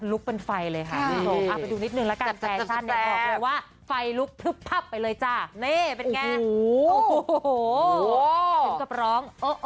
อ่าไปดูนิดนึงแล้วกันอ่าแทบที่ฉันเนี้ยบอกเลยว่าเฟย์ลุกพรึ่บพับไปเลยจ้านิ่ะเป็นไงอู้โห